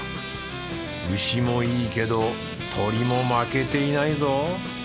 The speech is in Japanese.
ウシもいいけどトリも負けていないぞ！